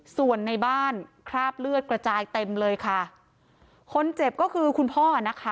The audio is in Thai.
ส่วนในบ้านคราบเลือดกระจายเต็มเลยค่ะคนเจ็บก็คือคุณพ่อนะคะ